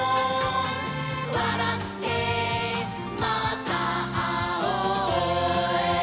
「わらってまたあおう」